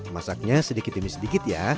masaknya sedikit demi sedikit ya